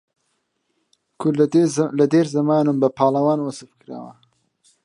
مەجەللەی برایەتی بە کوردی دەردەخست